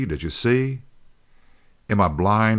Did you see?" "Am I blind?"